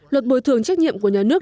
luật bồi thường trách nhiệm của nhà nước